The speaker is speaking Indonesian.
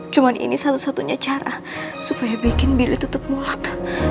cuma ini satu satunya cara supaya bikin billy tutup mulut